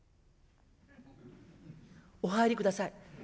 お入りください。